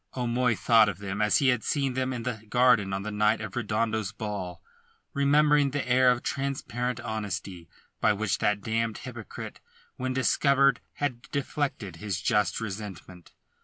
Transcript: O'Moy thought of them as he had seen them in the garden on the night of Redondo's ball, remembered the air of transparent honesty by which that damned hypocrite when discovered had deflected his just resentment.